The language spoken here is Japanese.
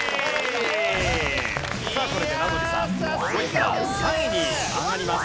さあこれで名取さん５位から３位に上がります。